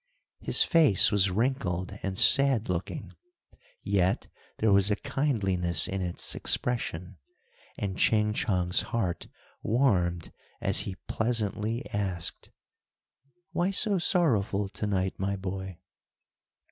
His face was wrinkled and sad looking, yet there was a kindliness in its expression, and Ching Chong's heart warmed as he pleasantly asked, "Why so sorrowful to night, my boy?"